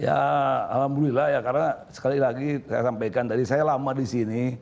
ya alhamdulillah ya karena sekali lagi saya sampaikan tadi saya lama di sini